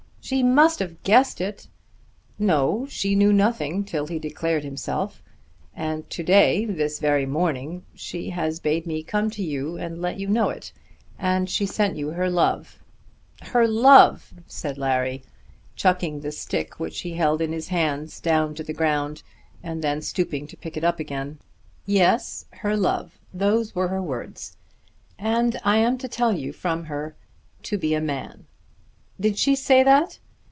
"She must have guessed it." "No; she knew nothing till he declared himself. And to day, this very morning, she has bade me come to you and let you know it. And she sent you her love." "Her love!" said Larry, chucking the stick which he held in his hands down to the ground and then stooping to pick it up again. "Yes; her love. Those were her words, and I am to tell you from her to be a man." "Did she say that?"